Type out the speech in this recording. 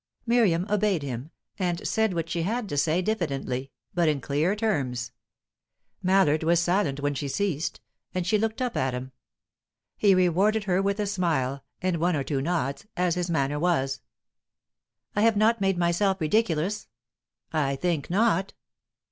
Miriam obeyed him, and said what she had to say diffidently, but in clear terms. Mallard was silent when she ceased, and she looked up at him. He rewarded her with a smile, and one or two nods as his manner was. "I have not made myself ridiculous?" "I think not."